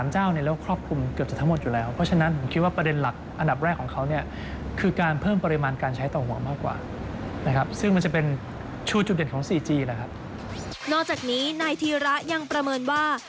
๓เจ้าเนี่ยเราก็ครอบคลุมเกือบจะทั้งหมดอยู่แล้ว